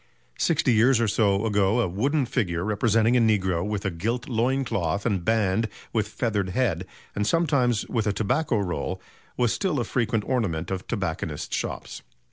Sixty years or so ago a wooden figure, representing a negro with a gilt loin cloth and band with feathered head, and sometimes with a tobacco roll, was still a frequent ornament of tobacconists' shops.